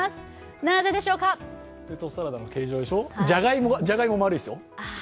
じゃがいもは丸いですよ。